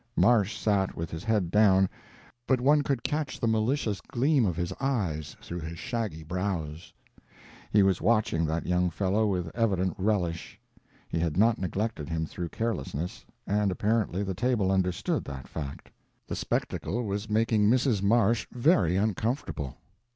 Marsh sat with his head down, but one could catch the malicious gleam of his eyes through his shaggy brows. He was watching that young fellow with evident relish. He had not neglected him through carelessness, and apparently the table understood that fact. The spectacle was making Mrs. Marsh very uncomfortable.